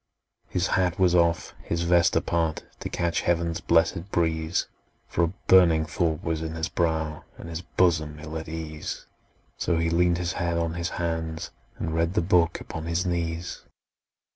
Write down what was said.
His hat was off, his vest apart, To catch heaven's blessed breeze; For a burning thought was in his brow, And his bosom ill at ease: So he leaned his head on his hands, and read The book upon his knees!